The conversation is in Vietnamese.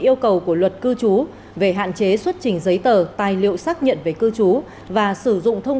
yêu cầu của luật cư trú về hạn chế xuất trình giấy tờ tài liệu xác nhận về cư trú và sử dụng thông